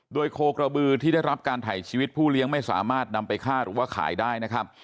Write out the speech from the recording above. โดยโคกระบือที่ได้รับการถ่ายชีวิตผู้เลี้ยงไม่สามารถนำไปฆ่าหรือว่าขายได้นะครับ